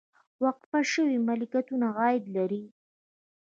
وقف شوي ملکیتونه عاید لري